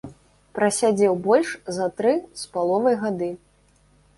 Прасядзеў больш за тры з паловай гады.